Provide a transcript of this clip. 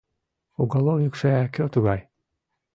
— Уголовникше кӧ тугай?